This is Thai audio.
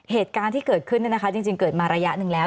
เหตุการณ์ที่เกิดขึ้นจริงเกิดมาระยะหนึ่งแล้ว